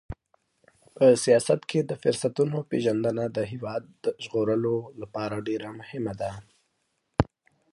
په سیاست کې د فرصتونو پیژندنه د هېواد د ژغورلو لپاره ډېره مهمه ده.